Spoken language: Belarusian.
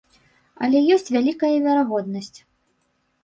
Але ёсць вялікая верагоднасць.